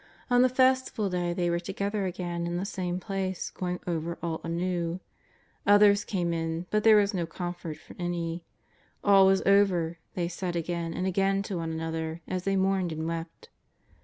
On the festival day they were together again in the same place, going over all anew. Others came in, but there was no comfort from any. All was over, they said again and again to one another as they mourned and wept.